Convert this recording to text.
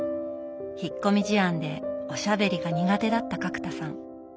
引っ込み思案でおしゃべりが苦手だった角田さん。